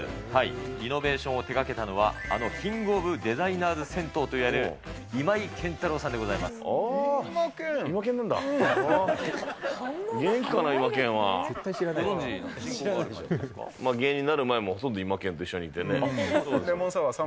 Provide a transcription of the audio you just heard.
リノベーションを手がけたのは、あのキングオブデザイナーズ銭湯といわれる今井健太郎さんでござイマケン？